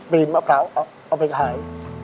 มะพร้าวเอาไปขาย